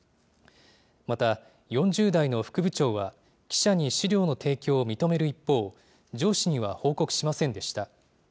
また、４０代の副部長は、記者に資料の提供を認める一方、上司には報告しませんでした。